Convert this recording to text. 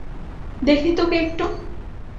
দেখি তোকে একটু।